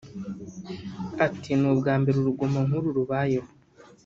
Ati “Ni ubwa mbere urugomo nk’uru rubayeho